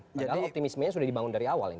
padahal optimismenya sudah dibangun dari awal ini